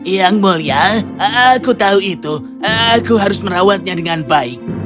yang mulia aku tahu itu aku harus merawatnya dengan baik